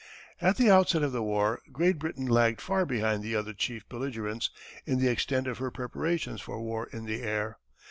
At the outset of the war Great Britain lagged far behind the other chief belligerents in the extent of her preparations for war in the air.